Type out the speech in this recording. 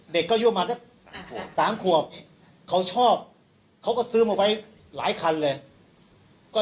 เด็กก็ยกมา๓ขวบเขาชอบเขาก็ซื้อมาไว้หลายคัณเลยก็